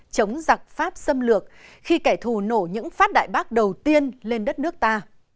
chống giặc pháp xâm lược khi kẻ thù nổ những phát đại bác đầu tiên lên đất nước ta